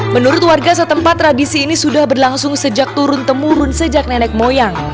menurut warga setempat tradisi ini sudah berlangsung sejak turun temurun sejak nenek moyang